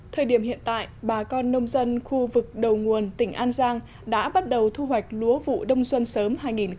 thời điểm hiện tại bà con nông dân khu vực đầu nguồn tỉnh an giang đã bắt đầu thu hoạch lúa vụ đông xuân sớm hai nghìn hai mươi